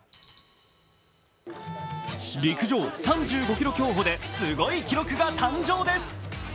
陸上３５キロ競歩ですごい記録が誕生です。